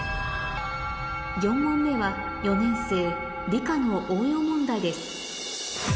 ４問目は４年生理科の応用問題です